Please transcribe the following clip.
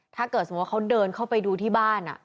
ถ้าเกิดสมมุติว่าเขาเดินเข้าไปดูที่บ้าน